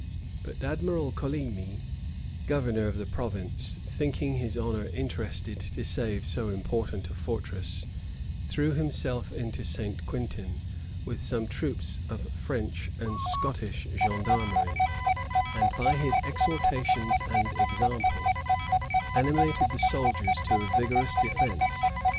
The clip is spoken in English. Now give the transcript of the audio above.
But Admiral Coligny, governor of the province, thinking his honor interested to save so important a fortress, threw himself into St. Quintin, with some troops of French and Scottish gensdarmery; and by his exhortations and example animated the soldiers to a vigorous defence.